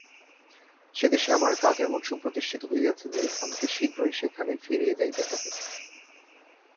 সেদেশে আমার কাজ এমন সুপ্রতিষ্ঠিত হইয়াছে যে, আমাকে শীঘ্র সেখানে ফিরিয়া যাইতে হইবে।